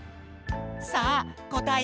さあこたえ